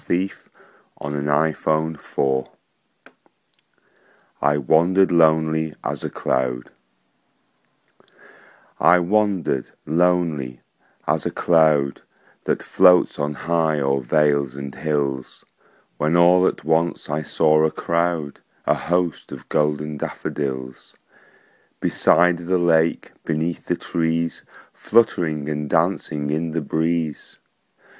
William Wordsworth I Wandered Lonely As a Cloud I WANDERED lonely as a cloud That floats on high o'er vales and hills, When all at once I saw a crowd, A host, of golden daffodils; Beside the lake, beneath the trees, Fluttering and dancing in the breeze.